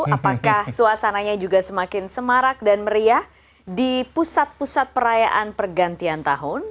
apakah suasananya juga semakin semarak dan meriah di pusat pusat perayaan pergantian tahun